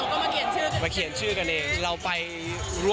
เราก็มาเขียนชื่อการ